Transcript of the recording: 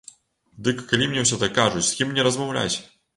Дык калі мне ўсе так кажуць, з кім мне размаўляць?